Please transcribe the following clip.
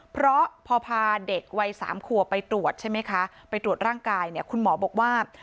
เพราะพอพาเด็กวัยสามขัวไปตรวจใช่ไหมคะไปตรวจร่างกายเนี่ยคุณหมอบอกว่า